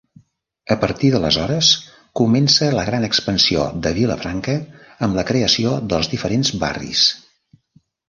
A partir d'aleshores comença la gran expansió de Vilafranca amb la creació dels diferents barris.